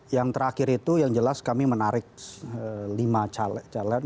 yang terakhir itu yang jelas kami menarik lima calon